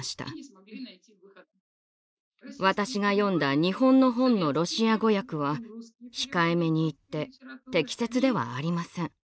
私が読んだ日本の本のロシア語訳は控えめに言って適切ではありません。